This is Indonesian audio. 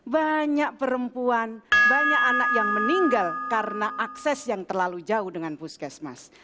banyak perempuan banyak anak yang meninggal karena akses yang terlalu jauh dengan puskesmas